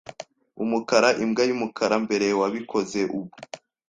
Umukara - Imbwa y'umukara mbere, wabikoze, ubu? ”